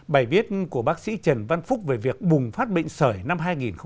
bài viết của bác sĩ trần văn phúc về việc bùng phát bệnh sởi năm hai nghìn một mươi năm